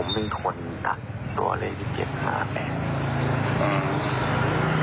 ผมเป็นคนตัดตัวเลยที่เกลียดหาแบบ